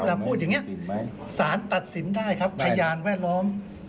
พูดอย่างนี้สารตัดสินได้ครับพยานแวดล้อม